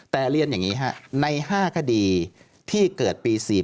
แต่เรียนอย่างนี้ใน๕คดีที่เกิดปี๔๔